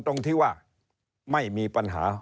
ตรงที่ว่าไม่มีปัญหา